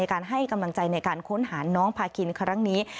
การให้กำลังใจในการค้นหาน้องพาคินครั้งนี้